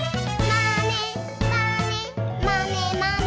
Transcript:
「まねまねまねまね」